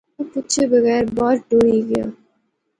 او پچھے بغیر بار ٹُری غیا